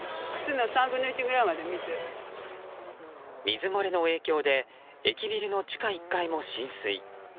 水漏れの影響で駅ビルの地下１階も浸水。